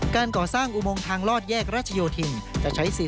การก่อสร้างอุโมงทางลอดแยกรัชโยธินความยาวกว่า๑๓กิโลเมตร